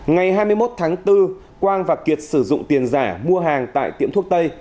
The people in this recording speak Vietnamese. ngày hai mươi một tháng bốn quang và kiệt sử dụng tiền giả mua hàng tại tiệm thuốc tây